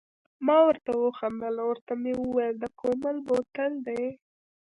ما ورته و خندل، ورته مې وویل د کومل بوتل دی.